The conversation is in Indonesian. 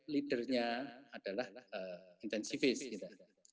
leadernya adalah intensivist kita